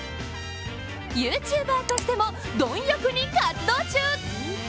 ＹｏｕＴｕｂｅｒとしても貪欲に活動中。